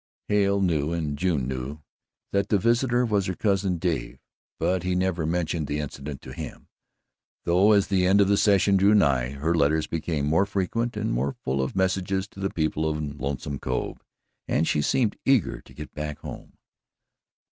Hale knew and June knew that the visitor was her cousin Dave, but she never mentioned the incident to him, though as the end of the session drew nigh, her letters became more frequent and more full of messages to the people in Lonesome Cove, and she seemed eager to get back home.